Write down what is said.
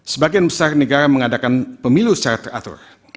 sebagian besar negara mengadakan pemilu secara teratur